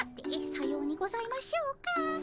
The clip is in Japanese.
さようにございましょうか。